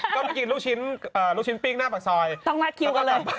ก็เพียงรุ่นชิ้นปริ้งหน้าหักซอย